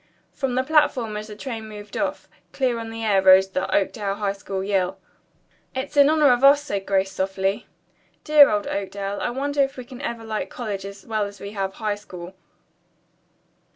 From the platform as the train moved off, clear on the air, rose the Oakdale High School yell. "It's in honor of us," said Grace softly. "Dear old Oakdale. I wonder if we can ever like college as well as we have high school."